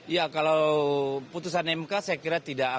ya kalau putusan mk saya kira tidak ada